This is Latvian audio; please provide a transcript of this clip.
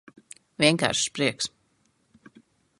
Vienkāršs prieks.